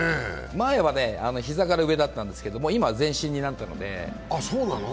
前は膝から上だったんですけれども、今は全身になったので。